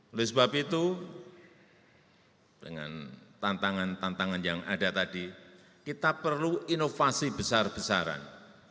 oleh sebab itu dengan tantangan tantangan yang ada tadi kita perlu inovasi besar besaran